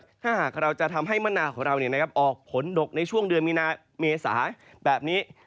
ถ้าหากเราจะทำให้มะนาวของเราออกผลดกในช่วงเดือนมีนาเมษาแบบนี้